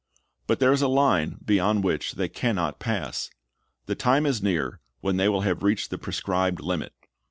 "^ But there is a line beyond which they can not pass. The time is near when they will have reached the prescribed limit.